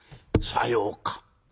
「さようか。